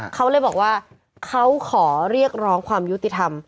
เขาเลยบอกว่าเขาขอเรียกร้องความยุติธรรม